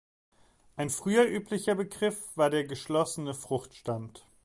Ein früher üblicher Begriff war der "geschlossene Fruchtstand".